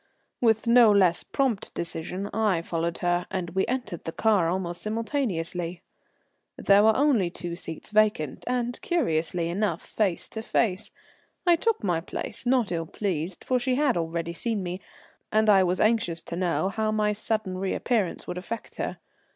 With no less prompt decision I followed her, and we entered the car almost simultaneously. There were only two seats vacant and, curiously enough, face to face. I took my place, not ill pleased, for she had already seen me, and I was anxious to know how my sudden reappearance would affect her.